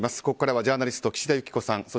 ここからはジャーナリスト岸田雪子さん。